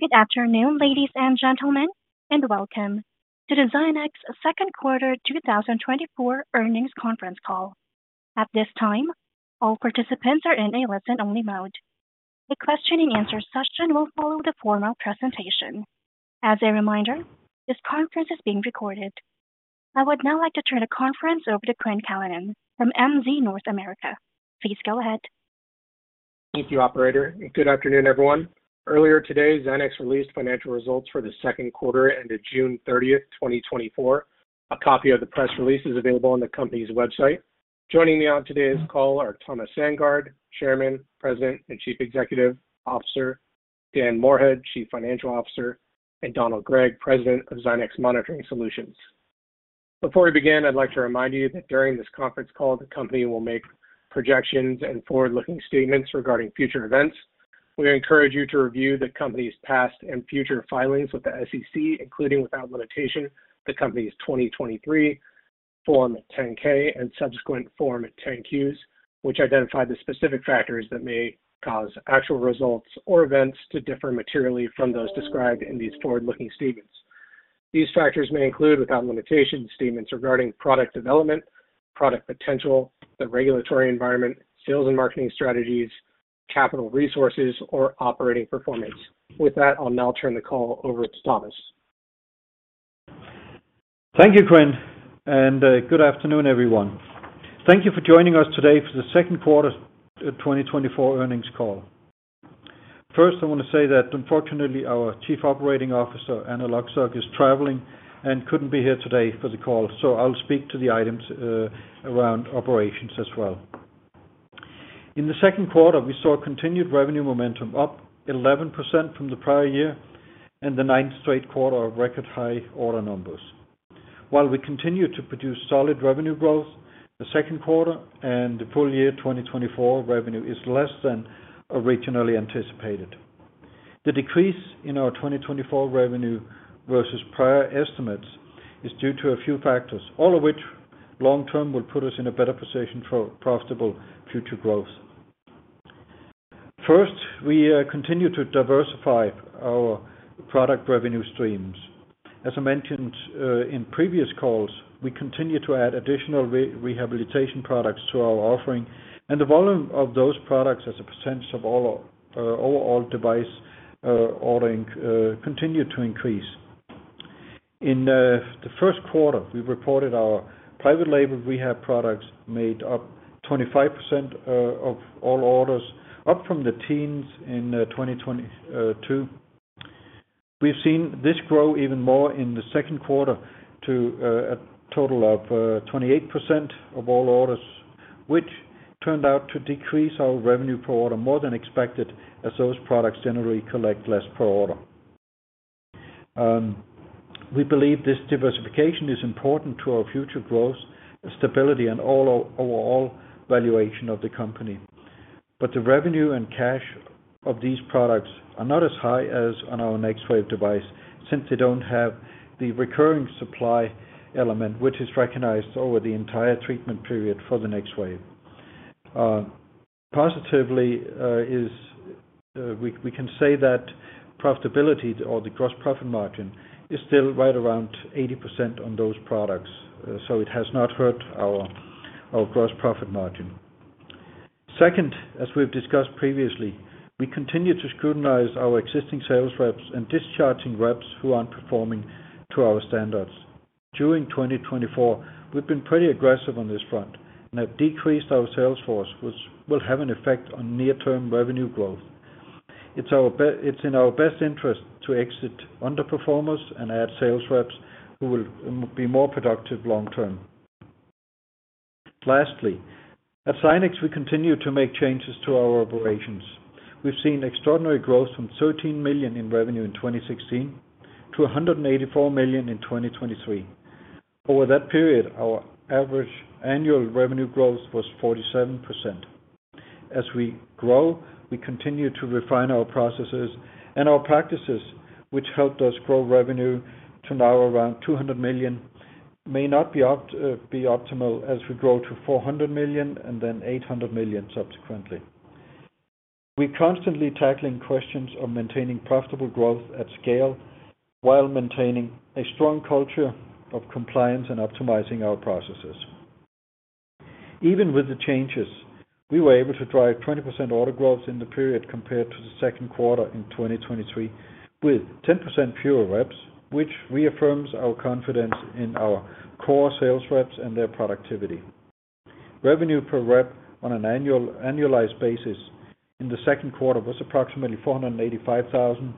Good afternoon, ladies and gentlemen, and welcome to the Zynex second quarter 2024 earnings conference call. At this time, all participants are in a listen-only mode. The question-and-answer session will follow the formal presentation. As a reminder, this conference is being recorded. I would now like to turn the conference over to Quinn Callanan from MZ North America. Please go ahead. Thank you, Operator, and good afternoon, everyone. Earlier today, Zynex released financial results for the second quarter ended June 30th, 2024. A copy of the press release is available on the company's website. Joining me on today's call are Thomas Sandgaard, Chairman, President, and Chief Executive Officer, Dan Moorhead, Chief Financial Officer, and Donald Gregg, President of Zynex Monitoring Solutions. Before we begin, I'd like to remind you that during this conference call, the company will make projections and forward-looking statements regarding future events. We encourage you to review the company's past and future filings with the SEC, including without limitation, the company's 2023 Form 10-K and subsequent Form 10-Qs, which identify the specific factors that may cause actual results or events to differ materially from those described in these forward-looking statements. These factors may include, without limitation, statements regarding product development, product potential, the regulatory environment, sales and marketing strategies, capital resources, or operating performance. With that, I'll now turn the call over to Thomas. Thank you, Quinn, and good afternoon, everyone. Thank you for joining us today for the second quarter of 2024 earnings call. First, I want to say that unfortunately, our Chief Operating Officer, Anna Lucsok, is traveling and couldn't be here today for the call, so I'll speak to the items around operations as well. In the second quarter, we saw continued revenue momentum up 11% from the prior year and the ninth straight quarter of record-high order numbers. While we continue to produce solid revenue growth, the second quarter and the full year 2024 revenue is less than originally anticipated. The decrease in our 2024 revenue versus prior estimates is due to a few factors, all of which long term will put us in a better position for profitable future growth. First, we continue to diversify our product revenue streams. As I mentioned, in previous calls, we continue to add additional rehabilitation products to our offering, and the volume of those products as a percentage of all, overall device, ordering, continue to increase. In the first quarter, we reported our private label rehab products made up 25% of all orders, up from the teens in 2022. We've seen this grow even more in the second quarter to a total of 28% of all orders, which turned out to decrease our revenue per order more than expected, as those products generally collect less per order. We believe this diversification is important to our future growth, stability, and overall valuation of the company. But the revenue and cash of these products are not as high as on our NexWave device, since they don't have the recurring supply element, which is recognized over the entire treatment period for the NexWave. Positively, we can say that profitability or the gross profit margin is still right around 80% on those products, so it has not hurt our gross profit margin. Second, as we've discussed previously, we continue to scrutinize our existing sales reps and discharging reps who aren't performing to our standards. During 2024, we've been pretty aggressive on this front and have decreased our sales force, which will have an effect on near-term revenue growth. It's in our best interest to exit underperformers and add sales reps who will be more productive long term. Lastly, at Zynex, we continue to make changes to our operations. We've seen extraordinary growth from $13 million in revenue in 2016 to $184 million in 2023. Over that period, our average annual revenue growth was 47%. As we grow, we continue to refine our processes and our practices, which helped us grow revenue to now around $200 million, may not be optimal as we grow to $400 million and then $800 million subsequently. We're constantly tackling questions on maintaining profitable growth at scale while maintaining a strong culture of compliance and optimizing our processes. Even with the changes, we were able to drive 20% order growth in the period compared to the second quarter in 2023, with 10% fewer reps, which reaffirms our confidence in our core sales reps and their productivity. Revenue per rep on an annual, annualized basis in the second quarter was approximately $485,000, an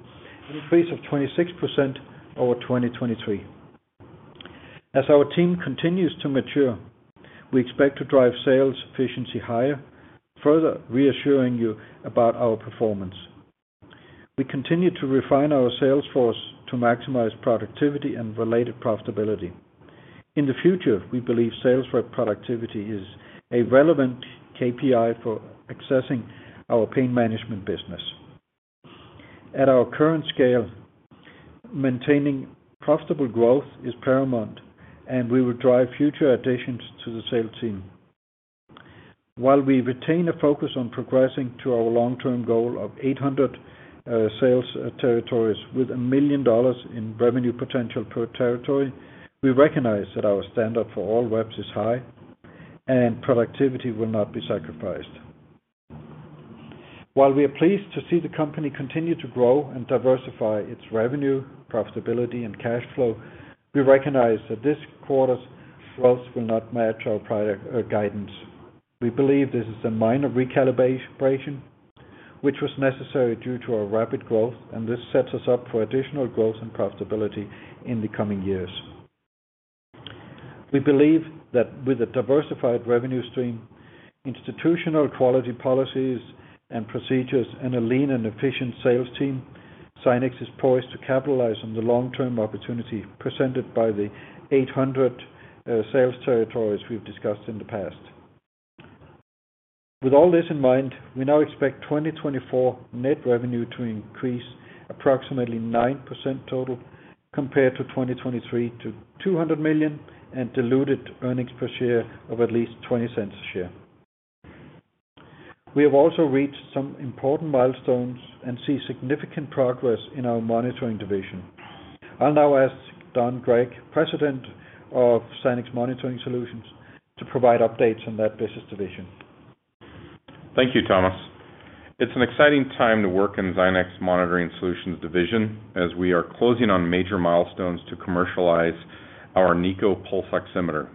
increase of 26% over 2023. As our team continues to mature, we expect to drive sales efficiency higher, further reassuring you about our performance. We continue to refine our sales force to maximize productivity and related profitability. In the future, we believe sales rep productivity is a relevant KPI for assessing our pain management business. At our current scale, maintaining profitable growth is paramount, and we will drive future additions to the sales team. While we retain a focus on progressing to our long-term goal of 800 sales territories with $1 million in revenue potential per territory, we recognize that our standard for all reps is high, and productivity will not be sacrificed. While we are pleased to see the company continue to grow and diversify its revenue, profitability, and cash flow, we recognize that this quarter's growth will not match our prior guidance. We believe this is a minor recalibration, which was necessary due to our rapid growth, and this sets us up for additional growth and profitability in the coming years. We believe that with a diversified revenue stream, institutional quality policies and procedures, and a lean and efficient sales team, Zynex is poised to capitalize on the long-term opportunity presented by the 800 sales territories we've discussed in the past. With all this in mind, we now expect 2024 net revenue to increase approximately 9% total, compared to 2023 to $200 million, and diluted earnings per share of at least $0.20 a share. We have also reached some important milestones and see significant progress in our monitoring division. I'll now ask Don Gregg, President of Zynex Monitoring Solutions, to provide updates on that business division. Thank you, Thomas. It's an exciting time to work in Zynex Monitoring Solutions division, as we are closing on major milestones to commercialize our NiCO pulse oximeter.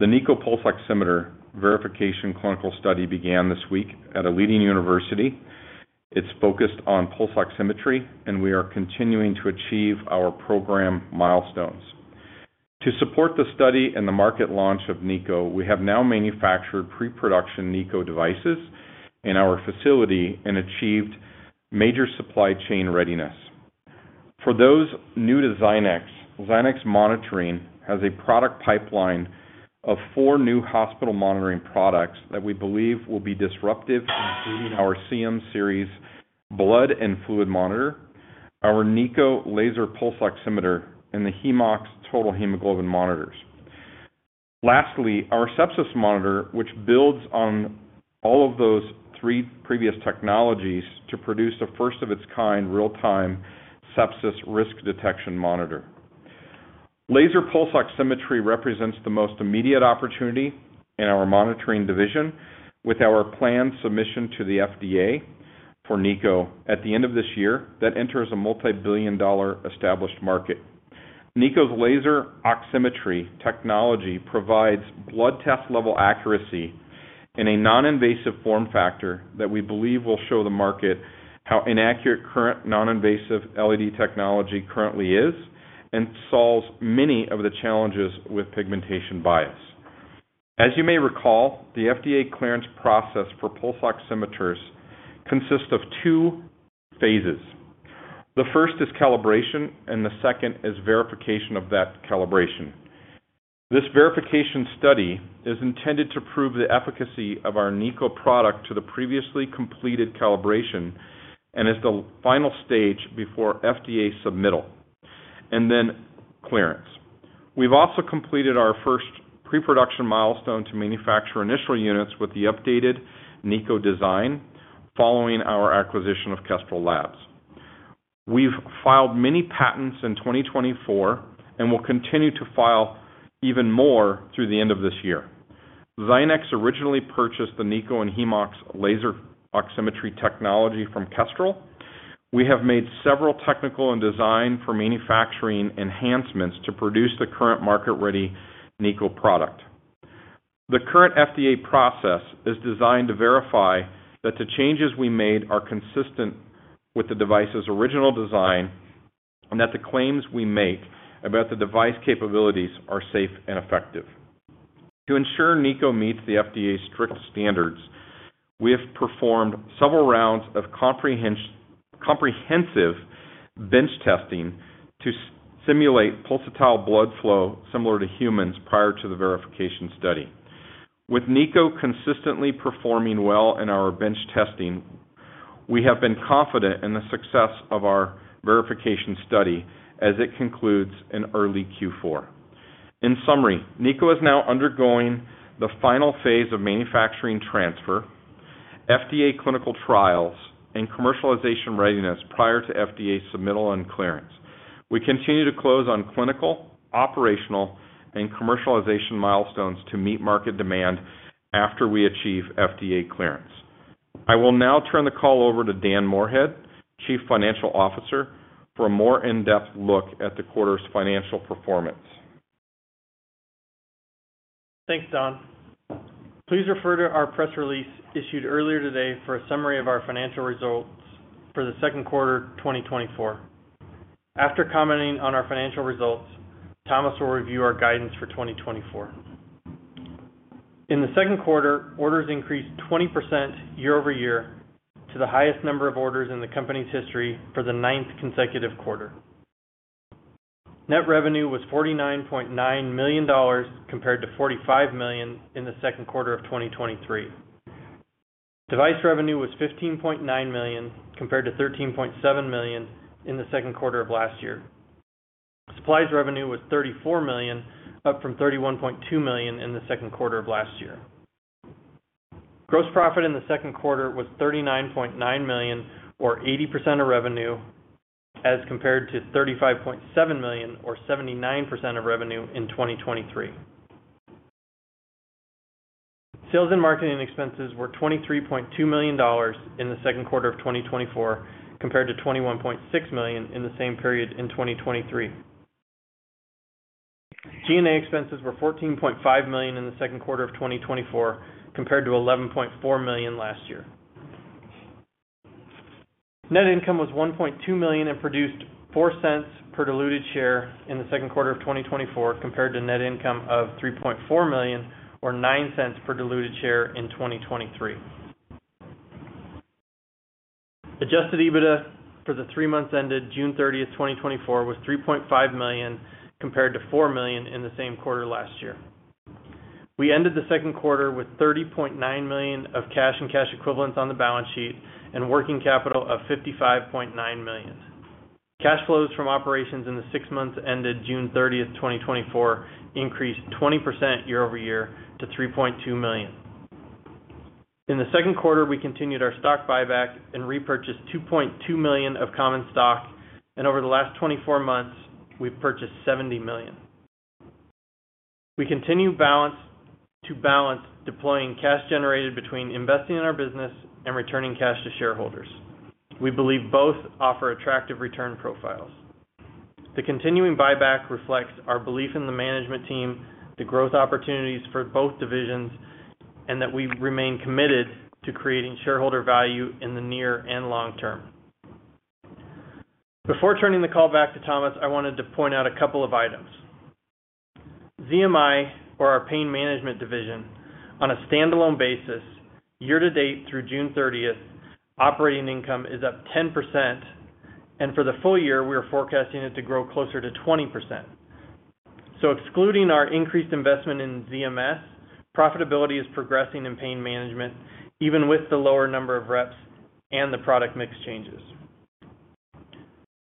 The NiCO pulse oximeter verification clinical study began this week at a leading university. It's focused on pulse oximetry, and we are continuing to achieve our program milestones. To support the study and the market launch of NiCO, we have now manufactured pre-production NiCO devices in our facility and achieved major supply chain readiness. For those new to Zynex, Zynex Monitoring has a product pipeline of four new hospital monitoring products that we believe will be disruptive, including our CM series, blood and fluid monitor, our NiCO laser pulse oximeter, and the HemeOx total hemoglobin monitors. Lastly, our sepsis monitor, which builds on all of those three previous technologies to produce a first of its kind, real-time sepsis risk detection monitor. Laser pulse oximetry represents the most immediate opportunity in our monitoring division, with our planned submission to the FDA for NiCO at the end of this year. That enters a multibillion-dollar established market. NiCO's laser oximetry technology provides blood test-level accuracy in a non-invasive form factor that we believe will show the market how inaccurate current non-invasive LED technology currently is, and solves many of the challenges with pigmentation bias. As you may recall, the FDA clearance process for pulse oximeters consists of two phases. The first is calibration, and the second is verification of that calibration. This verification study is intended to prove the efficacy of our NiCO product to the previously completed calibration, and is the final stage before FDA submittal, and then clearance. We've also completed our first pre-production milestone to manufacture initial units with the updated NiCO design, following our acquisition of Kestrel Labs. We've filed many patents in 2024, and will continue to file even more through the end of this year. Zynex originally purchased the NiCO and HemeOx laser oximetry technology from Kestrel. We have made several technical and design for manufacturing enhancements to produce the current market-ready NiCO product. The current FDA process is designed to verify that the changes we made are consistent with the device's original design, and that the claims we make about the device capabilities are safe and effective. To ensure NiCO meets the FDA's strict standards, we have performed several rounds of comprehensive bench testing to simulate pulsatile blood flow similar to humans, prior to the verification study. With NiCO consistently performing well in our bench testing, we have been confident in the success of our verification study as it concludes in early Q4. In summary, NiCO is now undergoing the final phase of manufacturing transfer, FDA clinical trials, and commercialization readiness prior to FDA submittal and clearance. We continue to close on clinical, operational, and commercialization milestones to meet market demand after we achieve FDA clearance. I will now turn the call over to Dan Moorhead, Chief Financial Officer, for a more in-depth look at the quarter's financial performance. Thanks, Don. Please refer to our press release issued earlier today for a summary of our financial results for the second quarter, 2024. After commenting on our financial results, Thomas will review our guidance for 2024. In the second quarter, orders increased 20% year-over-year to the highest number of orders in the company's history for the ninth consecutive quarter. Net revenue was $49.9 million, compared to $45 million in the second quarter of 2023. Device revenue was $15.9 million, compared to $13.7 million in the second quarter of last year. Supplies revenue was $34 million, up from $31.2 million in the second quarter of last year. Gross profit in the second quarter was $39.9 million, or 80% of revenue, as compared to $35.7 million, or 79% of revenue in 2023. Sales and marketing expenses were $23.2 million in the second quarter of 2024, compared to $21.6 million in the same period in 2023. G&A expenses were $14.5 million in the second quarter of 2024, compared to $11.4 million last year. Net income was $1.2 million and produced $0.04 per diluted share in the second quarter of 2024, compared to net income of $3.4 million, or $0.09 per diluted share in 2023. Adjusted EBITDA for the three months ended June 30th, 2024, was $3.5 million, compared to $4 million in the same quarter last year. We ended the second quarter with $30.9 million of cash and cash equivalents on the balance sheet and working capital of $55.9 million. Cash flows from operations in the six months ended June 30th, 2024, increased 20% year-over-year to $3.2 million. In the second quarter, we continued our stock buyback and repurchased $2.2 million of common stock, and over the last 24 months, we've purchased $70 million. We continue to balance deploying cash generated between investing in our business and returning cash to shareholders. We believe both offer attractive return profiles. The continuing buyback reflects our belief in the management team, the growth opportunities for both divisions, and that we remain committed to creating shareholder value in the near and long term. Before turning the call back to Thomas, I wanted to point out a couple of items. ZMI, or our pain management division, on a standalone basis, year to date through June 30th, operating income is up 10%, and for the full year, we are forecasting it to grow closer to 20%. So excluding our increased investment in ZMS, profitability is progressing in pain management, even with the lower number of reps and the product mix changes.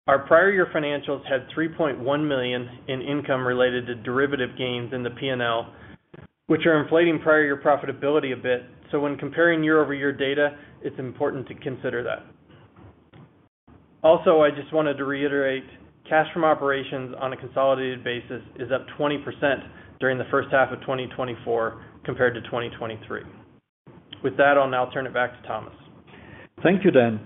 Our prior year financials had $3.1 million in income related to derivative gains in the P&L, which are inflating prior year profitability a bit. So when comparing year-over-year data, it's important to consider that. Also, I just wanted to reiterate, cash from operations on a consolidated basis is up 20% during the first half of 2024 compared to 2023. With that, I'll now turn it back to Thomas. Thank you, Dan.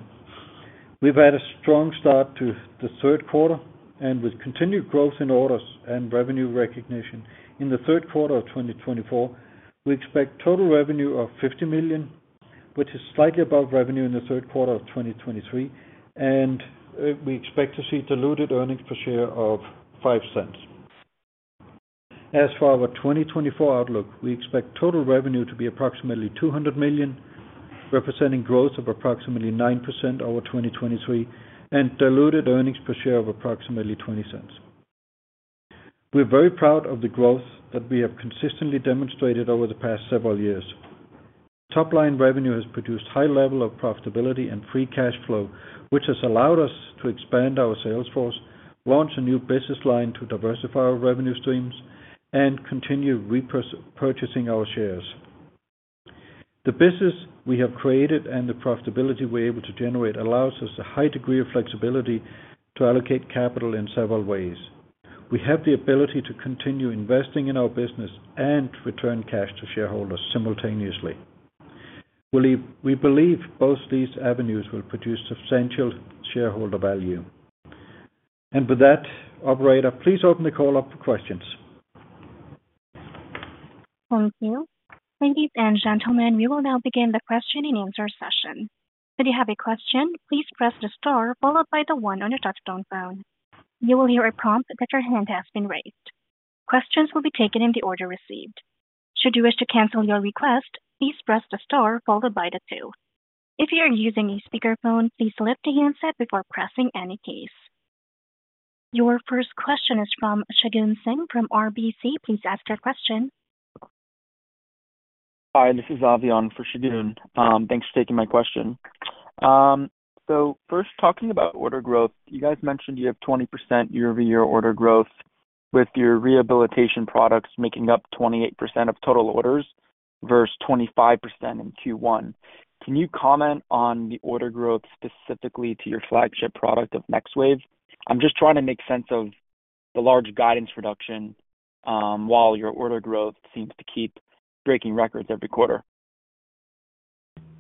We've had a strong start to the third quarter, and with continued growth in orders and revenue recognition. In the third quarter of 2024, we expect total revenue of $50 million, which is slightly above revenue in the third quarter of 2023, and we expect to see diluted earnings per share of $0.05. As for our 2024 outlook, we expect total revenue to be approximately $200 million, representing growth of approximately 9% over 2023, and diluted earnings per share of approximately $0.20. We're very proud of the growth that we have consistently demonstrated over the past several years. Top-line revenue has produced high level of profitability and free cash flow, which has allowed us to expand our sales force, launch a new business line to diversify our revenue streams, and continue repurchasing our shares. The business we have created and the profitability we're able to generate allows us a high degree of flexibility to allocate capital in several ways. We have the ability to continue investing in our business and return cash to shareholders simultaneously. We believe both these avenues will produce substantial shareholder value. With that, Operator, please open the call up for questions. Thank you. Ladies and gentlemen, we will now begin the question-and-answer session. If you have a question, please press the star followed by the one on your touch-tone phone. You will hear a prompt that your hand has been raised. Questions will be taken in the order received. Should you wish to cancel your request, please press the star followed by the two. If you are using a speakerphone, please lift the handset before pressing any keys. Your first question is from Shagun Singh from RBC. Please ask your question. Hi, this is Avi for Shagun. Thanks for taking my question. So first, talking about order growth, you guys mentioned you have 20% year-over-year order growth, with your rehabilitation products making up 28% of total orders, versus 25% in Q1. Can you comment on the order growth specifically to your flagship product of NexWave? I'm just trying to make sense of the large guidance reduction, while your order growth seems to keep breaking records every quarter.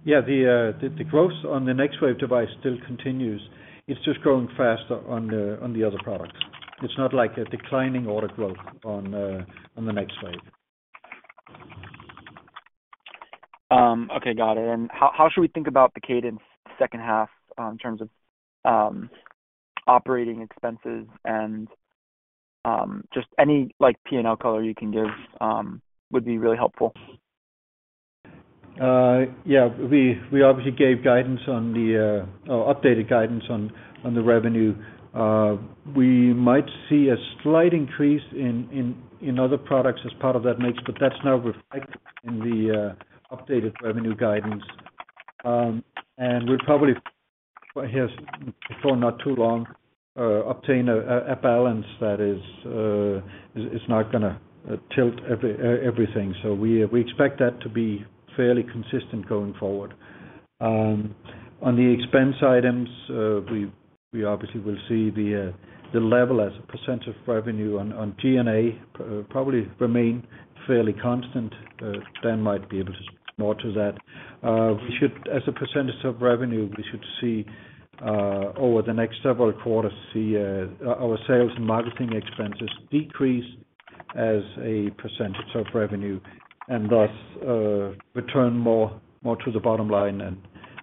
Yeah, the growth on the NexWave device still continues. It's just growing faster on the other products. It's not like a declining order growth on the NexWave. Okay, got it. And how, how should we think about the cadence second half, in terms of operating expenses and just any, like, P&L color you can give, would be really helpful. Yeah, we obviously gave guidance on the or updated guidance on the revenue. We might see a slight increase in other products as part of that mix, but that's now reflected in the updated revenue guidance. And we probably, well, here's before, not too long, obtain a balance that is not gonna tilt everything. So we expect that to be fairly consistent going forward. On the expense items, we obviously will see the level as a percent of revenue on G&A probably remain fairly constant. Dan might be able to more to that. We should, as a percentage of revenue, we should see over the next several quarters see our sales and marketing expenses decrease as a percentage of revenue, and thus return more, more to the bottom line and,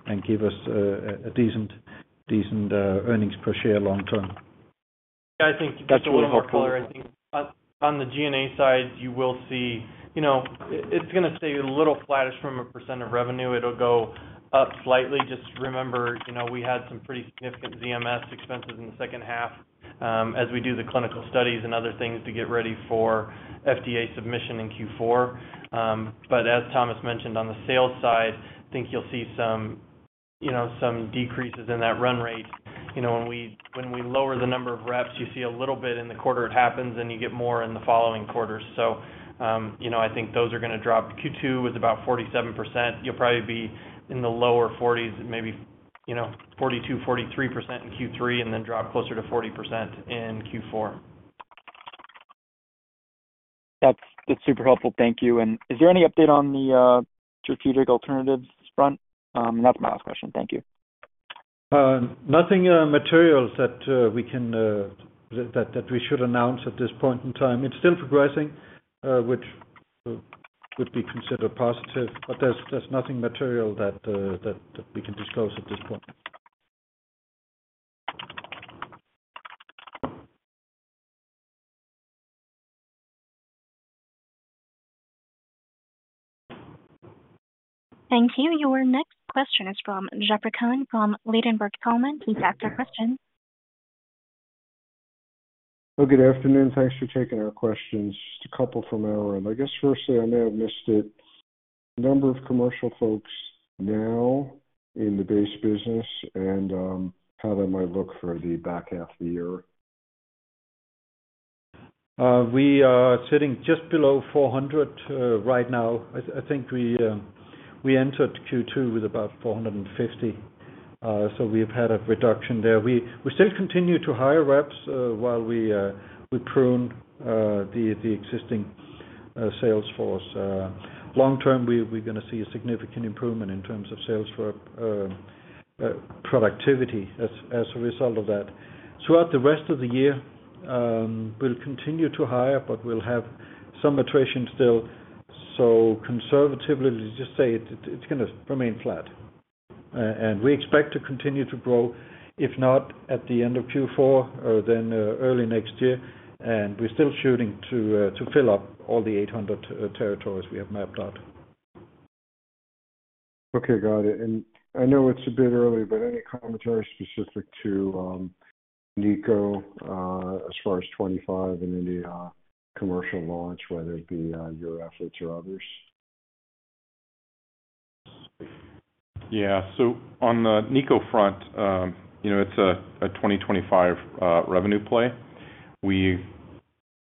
and give us a decent, decent earnings per share long term. I think that's a little more color. I think on the G&A side, you will see, you know, it's gonna stay a little flattish from a percent of revenue. It'll go up slightly. Just remember, you know, we had some pretty significant ZMS expenses in the second half, as we do the clinical studies and other things to get ready for FDA submission in Q4. But as Thomas mentioned on the sales side, I think you'll see some, you know, some decreases in that run rate. You know, when we lower the number of reps, you see a little bit in the quarter it happens, then you get more in the following quarters. So, you know, I think those are gonna drop. Q2 with about 47%. You'll probably be in the lower 40s and maybe, you know, 42%-43% in Q3, and then drop closer to 40% in Q4. That's, that's super helpful. Thank you. And is there any update on the strategic alternatives front? That's my last question. Thank you. Nothing material that we should announce at this point in time. It's still progressing, which would be considered positive, but there's nothing material that we can disclose at this point. Thank you. Your next question is from Jeffrey Cohen, from Ladenburg Thalmann. Please ask your question. Well, good afternoon. Thanks for taking our questions. Just a couple from our end. I guess firstly, I may have missed it. Number of commercial folks now in the base business and, how that might look for the back half of the year. We are sitting just below 400 right now. I think we entered Q2 with about 450. So we've had a reduction there. We still continue to hire reps while we prune the existing sales force. Long term, we're gonna see a significant improvement in terms of sales rep productivity as a result of that. Throughout the rest of the year, we'll continue to hire, but we'll have some attrition still. So conservatively, just say it, it's gonna remain flat. And we expect to continue to grow, if not at the end of Q4, then early next year. And we're still shooting to fill up all the 800 territories we have mapped out. Okay, got it. I know it's a bit early, but any commentary specific to NiCO, as far as 2025 and any commercial launch, whether it be your efforts or others? Yeah. So on the NiCO front, you know, it's a 2025 revenue play. We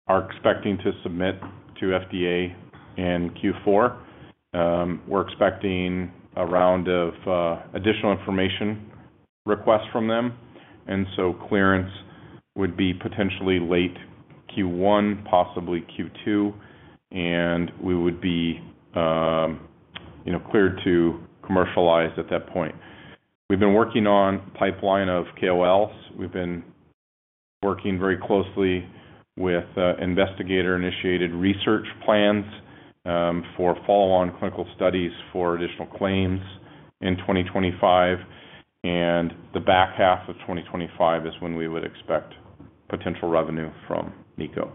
are expecting to submit to FDA in Q4. We're expecting a round of additional information requests from them, and so clearance would be potentially late Q1, possibly Q2, and we would be, you know, cleared to commercialize at that point. We've been working on pipeline of KOLs. We've been working very closely with investigator-initiated research plans for follow-on clinical studies for additional claims in 2025, and the back half of 2025 is when we would expect potential revenue from NiCO.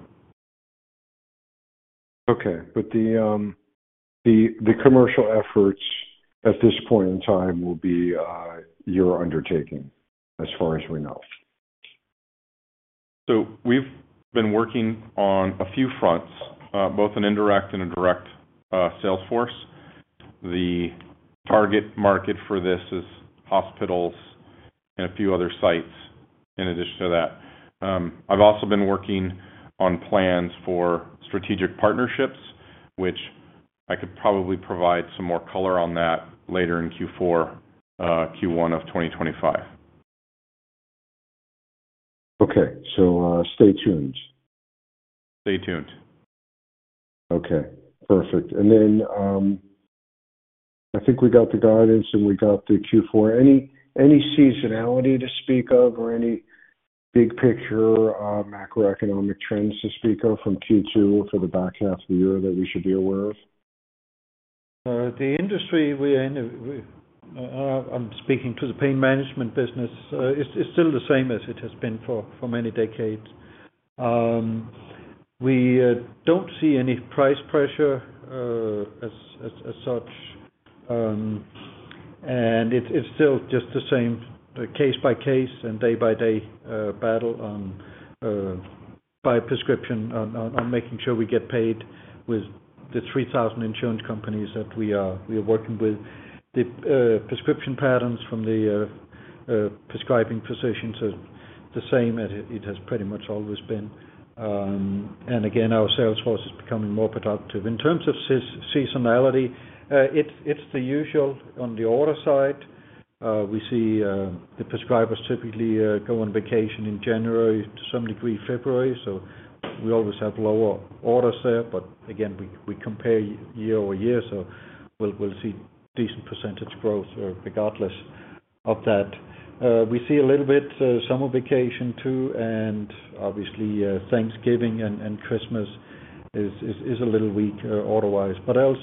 Okay. But the commercial efforts at this point in time will be your undertaking, as far as we know? So we've been working on a few fronts, both an indirect and a direct sales force. The target market for this is hospitals and a few other sites in addition to that. I've also been working on plans for strategic partnerships, which I could probably provide some more color on that later in Q4, Q1 of 2025. Okay. So, stay tuned. Stay tuned. Okay, perfect. And then, I think we got the guidance and we got the Q4. Any seasonality to speak of or any big picture, macroeconomic trends to speak of from Q2 for the back half of the year that we should be aware of? The industry we are in, I'm speaking to the pain management business, is still the same as it has been for many decades. We don't see any price pressure as such, and it's still just the same case-by-case and day-by-day battle on by prescription on making sure we get paid with the 3,000 insurance companies that we are working with. The prescription patterns from the prescribing physicians are the same as it has pretty much always been. And again, our sales force is becoming more productive. In terms of seasonality, it's the usual on the order side. We see the prescribers typically go on vacation in January, to some degree, February, so we always have lower orders there. But again, we compare year-over-year, so we'll see decent percentage growth, regardless of that. We see a little bit summer vacation, too, and obviously Thanksgiving and Christmas is a little weak order-wise. But else,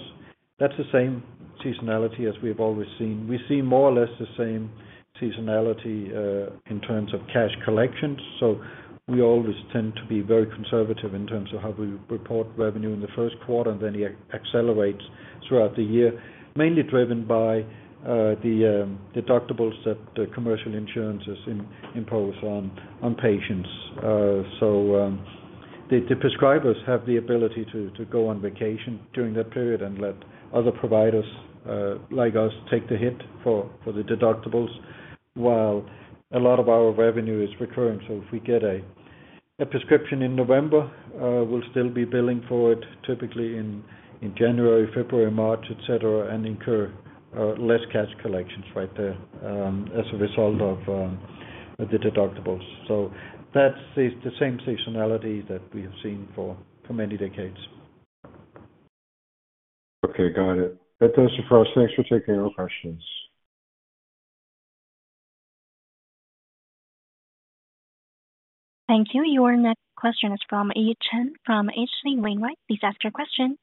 that's the same seasonality as we have always seen. We see more or less the same seasonality in terms of cash collections. So we always tend to be very conservative in terms of how we report revenue in the first quarter, and then it accelerates throughout the year, mainly driven by the deductibles that commercial insurances impose on patients. So, the prescribers have the ability to go on vacation during that period and let other providers, like us, take the hit for the deductibles, while a lot of our revenue is recurring. So if we get a prescription in November, we'll still be billing for it typically in January, February, March, et cetera, and incur less cash collections right there, as a result of the deductibles. So that's the same seasonality that we have seen for many decades. Okay, got it. That does it for us. Thanks for taking our questions. Thank you. Your next question is from Yi Chen from H.C. Wainwright. Please ask your question.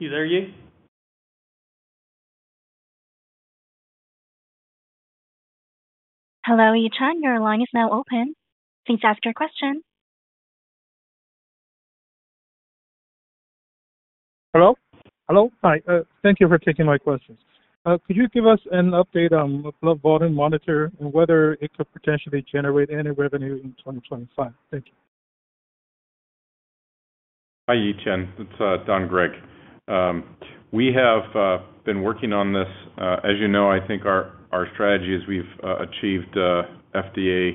You there, Yi? Hello, Yi Chen, your line is now open. Please ask your question. Hello? Hello. Hi, thank you for taking my questions. Could you give us an update on the blood volume monitor and whether it could potentially generate any revenue in 2025? Thank you. Hi, Yi Chen, it's Don Gregg. We have been working on this. As you know, I think our strategy is we've achieved FDA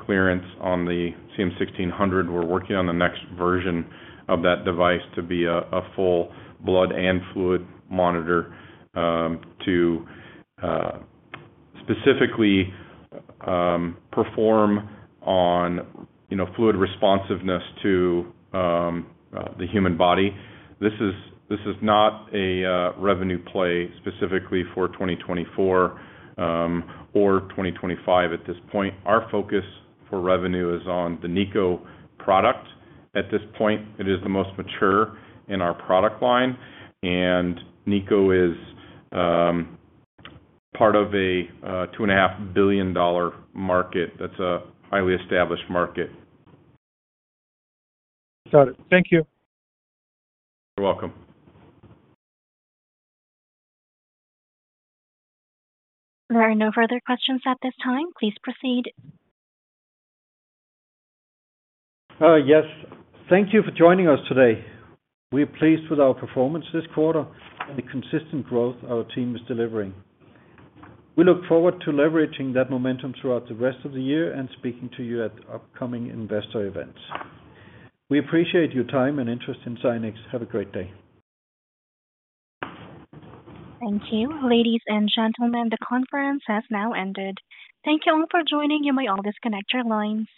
clearance on the CM-1600. We're working on the next version of that device to be a full blood and fluid monitor, to specifically perform on, you know, fluid responsiveness to the human body. This is not a revenue play specifically for 2024 or 2025 at this point. Our focus for revenue is on the NiCO product. At this point, it is the most mature in our product line, and NiCO is part of a $2.5 billion market that's a highly established market. Got it. Thank you. You're welcome. There are no further questions at this time. Please proceed. Yes. Thank you for joining us today. We are pleased with our performance this quarter and the consistent growth our team is delivering. We look forward to leveraging that momentum throughout the rest of the year and speaking to you at upcoming investor events. We appreciate your time and interest in Zynex. Have a great day. Thank you. Ladies and gentlemen, the conference has now ended. Thank you all for joining. You may all disconnect your lines.